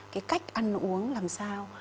cái cách ăn uống làm sao